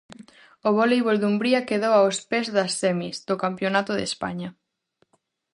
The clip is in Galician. O Voleibol Dumbría quedou aos pés das semis do campionato de España.